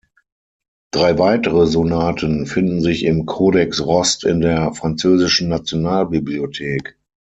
Drei weitere Sonaten finden sich im Codex Rost in der französischen Nationalbibliothek.